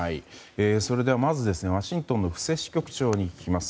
それでは、まずワシントンの布施支局長に聞きます。